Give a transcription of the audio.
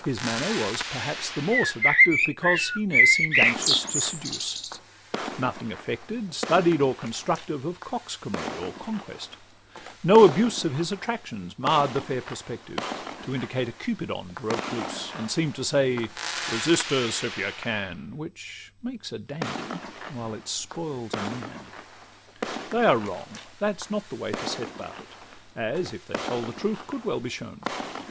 His manner was perhaps the more seductive, Because he ne'er seem'd anxious to seduce; Nothing affected, studied, or constructive Of coxcombry or conquest: no abuse Of his attractions marr'd the fair perspective, To indicate a Cupidon broke loose, And seem to say, 'Resist us if you can' Which makes a dandy while it spoils a man. They are wrong—that 's not the way to set about it; As, if they told the truth, could well be shown.